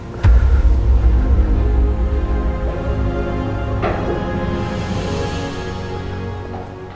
aku mau pergi dulu